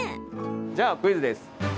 じゃあ、クイズです。